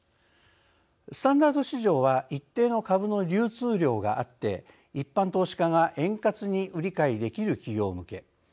スタンダード市場は一定の株の流通量があって一般投資家が円滑に売り買いできる企業向け。